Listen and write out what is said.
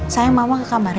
sayang mama ke kamar ya